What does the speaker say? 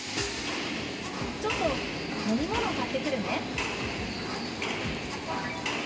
「ちょっと飲み物買ってくるね」。